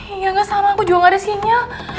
hingga gak sama aku juga gak ada sinyal